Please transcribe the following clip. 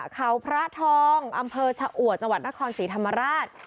เขาพระทองอำเภอชะอวดจังหวัดนครศรีธรรมราช